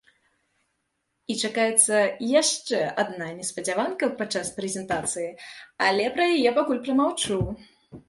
І чакаецца яшчэ адна неспадзяванка падчас прэзентацыі, але пра яе пакуль прамаўчу!